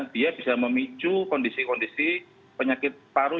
dia bisa memicu kondisi kondisi penyakit paru